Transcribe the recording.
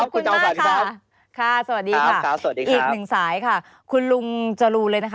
ขอบคุณมากนะคะขอบคุณมากค่ะสวัสดีค่ะอีกหนึ่งสายค่ะคุณลุงจรูเลยนะคะ